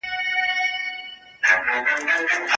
تعلیم د افسانو مخه نیسي.